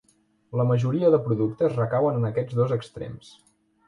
La majoria de productes recauen en aquests dos extrems.